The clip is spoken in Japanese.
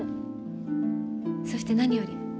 そして何より。